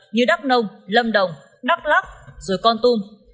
như đắk nông lâm đồng đắk lắc rồi con tum